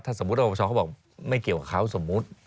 ถ้าสมมุติปปชเขาบอกไม่เกี่ยวกับเขาสมมุติ